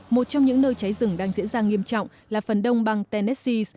một trong những nơi cháy rừng đang diễn ra nghiêm trọng là phần đông bang tennessis